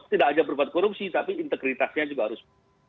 tidak hanya berbuat korupsi tapi integritasnya juga harus